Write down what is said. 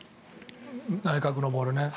内角のボールね。